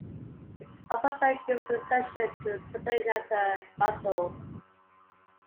Its upper third gives insertion to the supinator muscle.